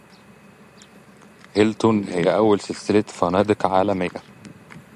هيلتون هي أول سلسلة فنادق عالمية.